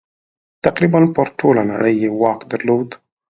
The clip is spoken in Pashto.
تقریباً پر ټوله نړۍ یې واک درلود.